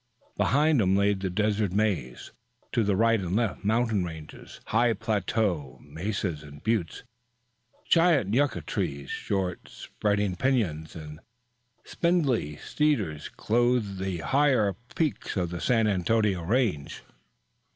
Behind them lay the desert maze, to the right and left, mountain ranges, high plateaux, mesas and buttes. Giant yucca trees, short, spreading piñon and spindling cedars clothed the higher peaks of the San Antonio Range.